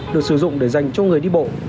được sử dụng để dành cho người đi bộ